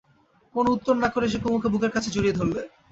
কোনো উত্তর না করে সে কুমুকে বুকের কাছে জড়িয়ে ধরলে।